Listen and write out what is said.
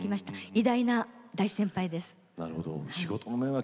偉大な大先輩です。